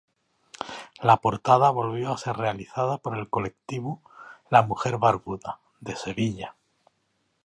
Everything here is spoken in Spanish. La portada volvió a ser realizada por el colectivo "La Mujer Barbuda" de Sevilla.